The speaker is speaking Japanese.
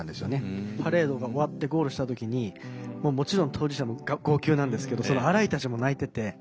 パレードが終わってゴールした時にもちろん当事者も号泣なんですけどそのアライたちも泣いてて。